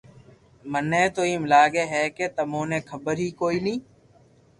مني تو ايمم لاگي ھي ڪي تمو ني خبر ھي ڪوئي نو